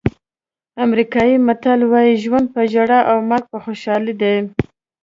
امریکایي متل وایي ژوند په ژړا او مرګ په خوشحالۍ دی.